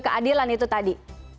keadilan itu tadi